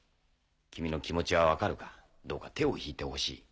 君の気持ちは分かるがどうか手を引いてほしい。